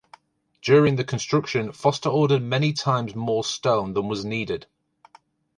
During the construction, Foster ordered many times more stone than was needed.